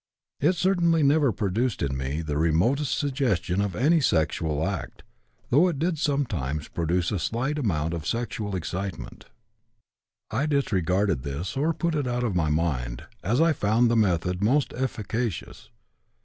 It certainly never produced in me the remotest suggestion of any sexual act, though it did sometimes produce a slight amount of sexual excitement. I disregarded this, or put it out of my mind, as I found the method most efficacious.